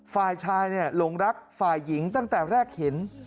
ฝ่ายชายหลงรักฝ่ายหญิงตั้งแต่แรกเห็น